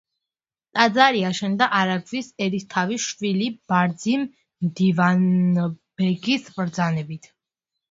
ტაძარი აშენდა არაგვის ერისთავის შვილის ბარძიმ მდივანბეგის ბრძანებით.